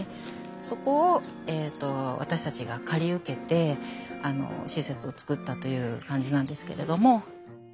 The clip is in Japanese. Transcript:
そこを私たちが借り受けて施設をつくったという感じなんですけれども。